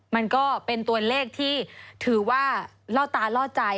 มันก็เป็นตัวเลขที่ถือว่าล่อตาล่อใจ